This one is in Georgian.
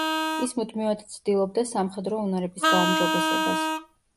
ის მუდმივად ცდილობდა სამხედრო უნარების გაუმჯობესებას.